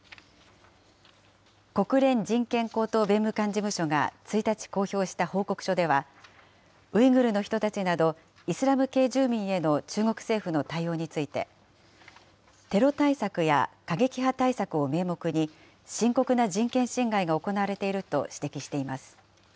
国連人権高等弁務官事務所が１日公表した報告書では、ウイグルの人たちなど、イスラム系住民への中国政府の対応について、テロ対策や過激派対策を名目に、深刻な人権侵害が行われていると指摘しています。